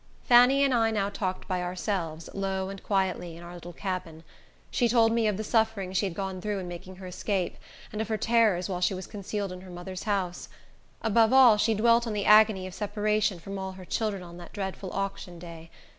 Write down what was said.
Fanny and I now talked by ourselves, low and quietly, in our little cabin. She told me of the suffering she had gone through in making her escape, and of her terrors while she was concealed in her mother's house. Above all, she dwelt on the agony of separation from all her children on that dreadful auction day.